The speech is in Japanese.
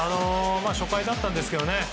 初回だったんですけどね。